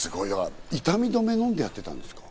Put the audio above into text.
痛み止め飲んでやってたんですか？